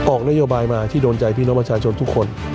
ออกนโยบายมาที่โดนใจพี่น้องประชาชนทุกคน